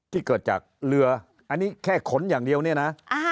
ที่เกิดจากเรืออันนี้แค่ขนอย่างเดียวเนี่ยนะ